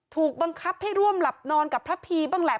ถูกบังคับให้ร่วมหลับนอนกับพระพีบ้างแหละ